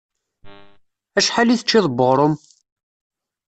Acḥal i teččiḍ n uɣrum?